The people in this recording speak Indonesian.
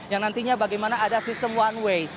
yang nantinya bagaimana ada sistem one way